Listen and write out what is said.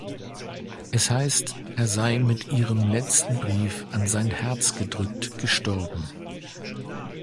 Es heißt, er sei mit ihrem letzten Brief an sein Herz gedrückt gestorben.